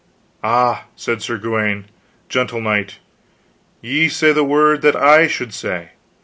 Ah, said Sir Gawaine, gentle knight, ye say the word that I should say.